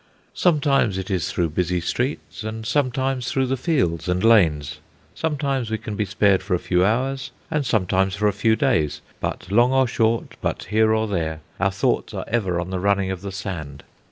Sometimes it is through busy streets, and sometimes through the fields and lanes; sometimes we can be spared for a few hours, and sometimes for a few days. But long or short, but here or there, our thoughts are ever on the running of the sand.